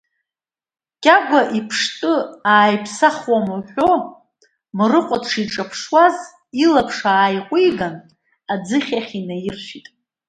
Кьагәа, иԥштәы ааиԥсахма уҳәо, Мрыҟәа дшиҿаԥшуаз, илаԥш ааиҟәиган, аӡыхь ахь инаиршәит.